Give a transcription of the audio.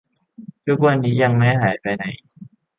ทุกวันนี้ยังไม่หายไปไหน